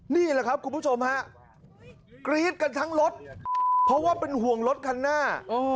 นี่แหละครับคุณผู้ชมฮะกรี๊ดกันทั้งรถเพราะว่าเป็นห่วงรถคันหน้า